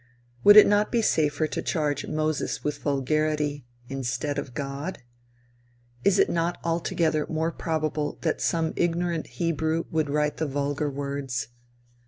Would it not be safer to charge Moses with vulgarity, instead of God? Is it not altogether more probable that some ignorant Hebrew would write the vulgar words?